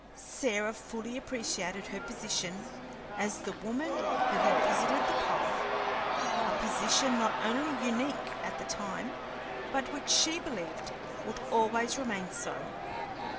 Sarah fully appreciated her position as the woman who had visited the pole, a position not only unique at the time, but which she believed would always remain so.